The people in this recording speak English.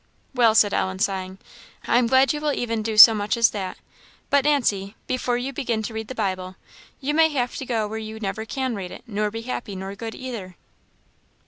"Well," said Ellen, sighing "I am glad you will even do so much as that. But, Nancy, before you begin to read the Bible, you may have to go where you never can read it, nor be happy nor good neither."